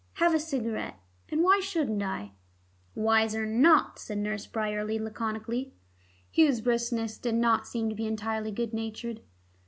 Have a cigarette, and why shouldn't I?" "Wiser not," said Nurse Bryerley laconically. Hugh's briskness did not seem to be entirely good natured.